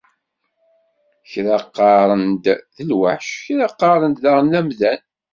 Kra qqaṛen-d d lweḥc, kra qqaṛen-d daɣen d amdan.